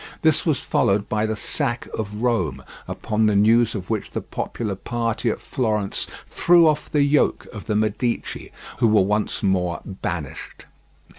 This was followed by the sack of Rome, upon the news of which the popular party at Florence threw off the yoke of the Medici, who were once more banished.